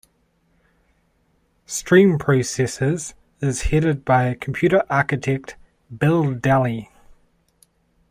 Stream Processors is headed by computer architect Bill Dally.